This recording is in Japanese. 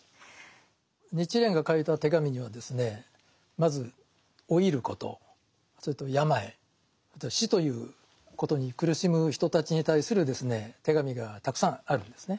日蓮が書いた手紙にはですねまず老いることそれと病死ということに苦しむ人たちに対する手紙がたくさんあるんですね。